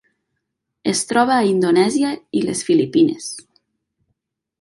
Es troba a Indonèsia i les Filipines.